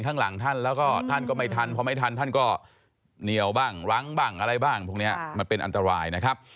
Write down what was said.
ก็เหนียวบ้างรั้งบ้างอะไรบ้างพวกนี้มันเป็นอันตรายนะครับ